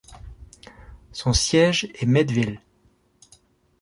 Son siège est Meadville.